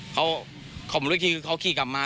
เขาเข้าคลิกกลับมา